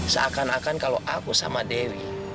seakan akan kalau aku sama dewi